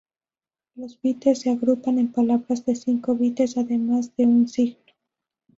Los bytes se agrupan en palabras de cinco bytes además de un signo.